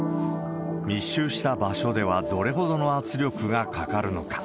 密集した場所ではどれほどの圧力がかかるのか。